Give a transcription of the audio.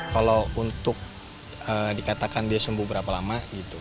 kalau untuk dikatakan dia sembuh berapa lama